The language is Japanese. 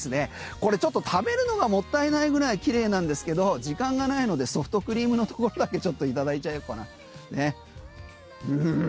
これちょっと食べるのがもったいないぐらい綺麗なんですけど時間がないのでソフトクリームのところだけちょっといただいちゃおうかな。